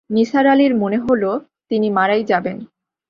নিসার আলির মনে হল তিনি মারাই যাবেন।